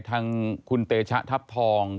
ทางคุณเตชะทัพทอง